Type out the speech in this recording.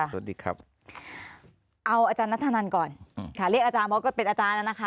สวัสดีครับเอาอาจารย์นัทธนันก่อนค่ะเรียกอาจารย์เพราะก็เป็นอาจารย์แล้วนะคะ